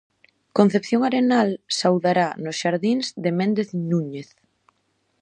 Concepción Arenal saudará nos xardíns de Méndez Núñez.